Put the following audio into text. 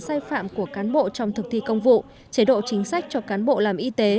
sai phạm của cán bộ trong thực thi công vụ chế độ chính sách cho cán bộ làm y tế